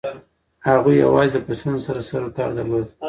هغوی یوازې د فصلونو سره سروکار درلود.